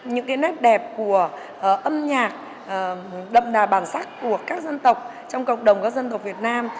những nét đẹp của âm nhạc đậm đà bản sắc của các dân tộc trong cộng đồng các dân tộc việt nam